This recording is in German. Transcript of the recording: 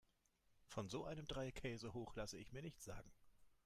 Von so einem Dreikäsehoch lasse ich mir nichts sagen.